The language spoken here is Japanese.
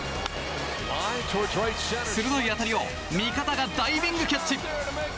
鋭い当たりを味方がダイビングキャッチ。